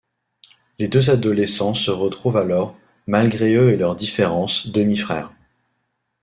Les deux adolescents se retrouvent alors, malgré eux et leurs différences, demi-frères.